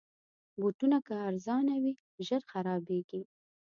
بوټونه که ارزانه وي، ژر خرابیږي.